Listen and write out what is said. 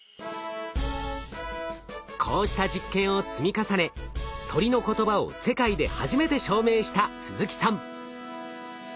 こうした実験を積み重ね鳥の言葉を世界で初めて証明した鈴木さん。